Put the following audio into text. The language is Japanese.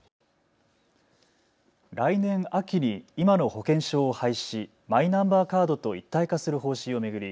来年秋に今の保険証を廃止しマイナンバーカードと一体化する方針を巡り